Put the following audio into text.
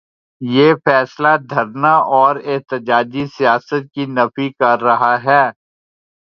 یہ فیصلہ دھرنا اور احتجاجی سیاست کی نفی کر رہا ہے۔